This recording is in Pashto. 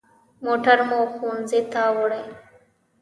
موټر مو ښوونځي ته وړي.